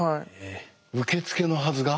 受付のはずが？